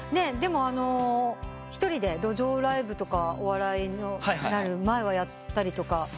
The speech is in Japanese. でも一人で路上ライブとかお笑いになる前はやったりとか。